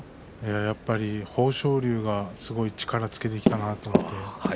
やっぱり豊昇龍がすごく力をつけてきたなと思って。